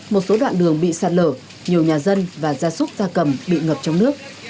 một số đoạn đường bị sạt lở nhiều nhà dân và gia súc gia cầm bị ngập trong nước